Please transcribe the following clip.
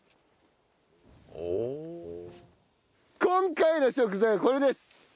今回の食材はこれです。